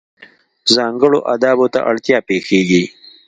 ځانګړو آدابو ته اړتیا پېښېږي.